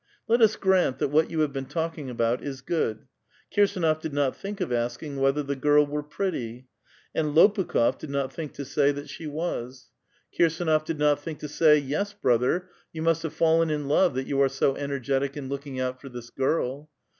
Let us grant that what you have been talking about is good. Kirsdnof did not think of asking whether the girl wet»ft pretty, and Lopukh6f did not think to say that 98 A VITAL QUESTION. she was. Kirsdnof did not think to say, '' Yes, bi*other, you must have fallen in love tliat you are so energetic in looking out for this girl."